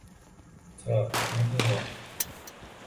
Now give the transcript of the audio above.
تھا، نہیں ہے۔